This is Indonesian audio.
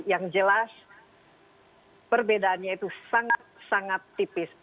yang jelas perbedaannya itu sangat sangat tipis